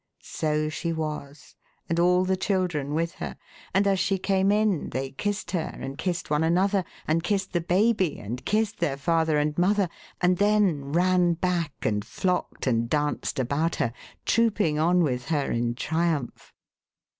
So she was, and all the children with her ; and as she came in, they kissed her, and kissed one another, and kissed the baby, and kissed their father and mother, and then ran back MILLY'S RECEPTION. .509 and flocked and danced about her, trooping on with her in triumph.